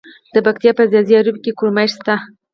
د پکتیا په ځاځي اریوب کې کرومایټ شته.